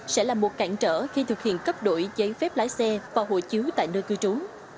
sẽ là một cản trở khi thực hiện cấp đổi giấy phép lái xe và hộ chiếu tại nơi cư trú